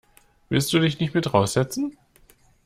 Willst du dich nicht mit raus setzen?